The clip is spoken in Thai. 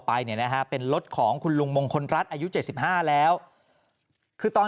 ไปเนี่ยนะฮะเป็นรถของคุณลุงมงคลรัฐอายุ๗๕แล้วคือตอน